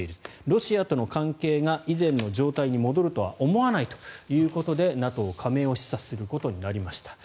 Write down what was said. ロシアとの関係が以前の状態に戻るとは思わないということでＮＡＴＯ加盟を示唆することになりました。